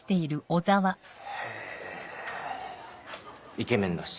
イケメンだし。